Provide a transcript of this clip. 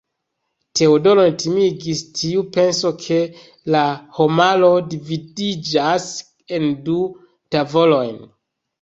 Teodoron timigis tiu penso, ke la homaro dividiĝas en du tavolojn.